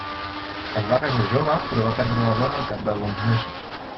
Es va casar jove però va perdre la dona al cap d'alguns mesos.